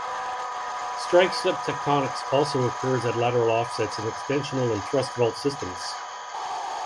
Strike-slip tectonics also occurs at lateral offsets in extensional and thrust fault systems.